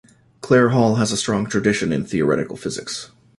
Clare Hall has a strong tradition in theoretical physics.